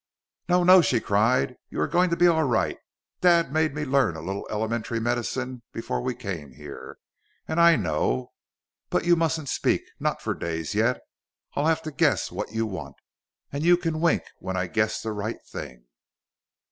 "No, no!" she cried. "You are going to be all right! Dad made me learn a little elementary medicine before we came here, and I know. But you mustn't speak! Not for days yet! I'll have to guess what you want. And you can wink when I guess the right thing.